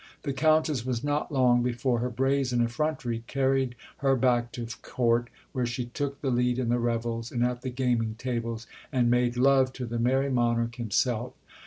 The Countess was not long before her brazen effrontery carried her back to Court, where she took the lead in the revels and at the gaming tables, and made love to the "Merrie Monarch" himself.